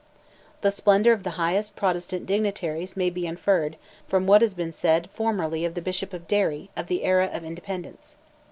The splendour of the highest Protestant dignitaries may be inferred from what has been said formerly of the Bishop of Derry, of the Era of Independence.